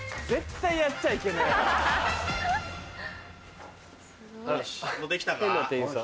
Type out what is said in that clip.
絶対やっちゃいけない。